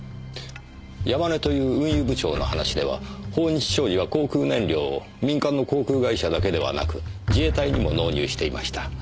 山根という運輸部長の話では豊日商事は航空燃料を民間の航空会社だけではなく自衛隊にも納入していました。